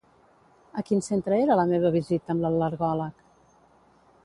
A quin centre era la meva visita amb l'al·lergòleg?